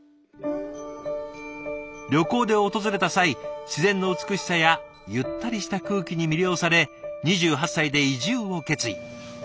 旅行で訪れた際自然の美しさやゆったりした空気に魅了され２８歳で移住を決意。